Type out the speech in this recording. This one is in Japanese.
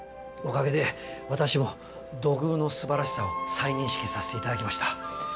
おかげで私も土偶のすばらしさを再認識させていただきました。